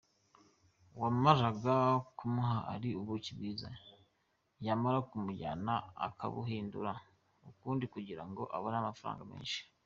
Wamaraga kubumuha ari ubuki bwiza, yamara kubujyana akabuhindura ukundi kugira ngo abone amafaranga menshi.